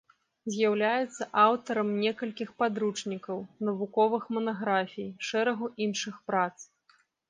З'яўляецца аўтарам некалькіх падручнікаў, навуковых манаграфій, шэрагу іншых прац.